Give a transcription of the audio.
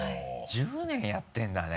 １０年やってるんだね。